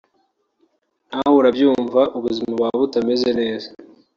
nawe urabyumva ubuzima buba butameze neza